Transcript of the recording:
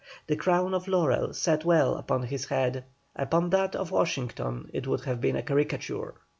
The crown of laurel sat well upon his head, upon that of Washington it would have been a caricature.